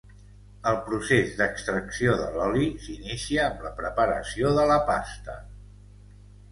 El procés d'extracció de l'oli s'inicia amb la preparació de la pasta.